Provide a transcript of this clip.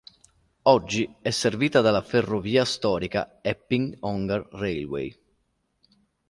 Oggi è servita dalla ferrovia storica "Epping-Ongar Railway".